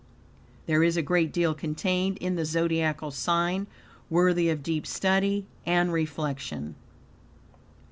There is a great deal contained in this zodiacal sign worthy of deep study and reflection.